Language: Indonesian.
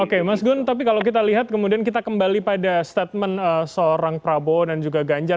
oke mas gun tapi kalau kita lihat kemudian kita kembali pada statement seorang prabowo dan juga ganjar